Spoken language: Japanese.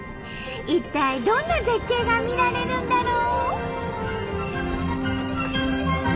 一体どんな絶景が見られるんだろう？